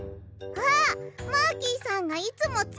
あっマーキーさんがいつもつかってるやつだ！